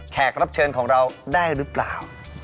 แขกรับเชิญของเราได้รึเปล่า